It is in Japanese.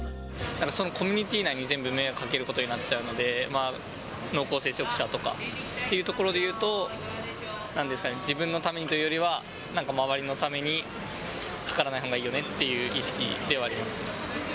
そのコミュニティー内に全部、迷惑かけることになっちゃうので、濃厚接触者とかいうところでいうと、なんですかね、自分のためにというよりは、なんか周りのためにかからないほうがいいよねっていう意識ではあります。